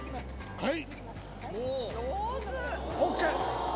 はい。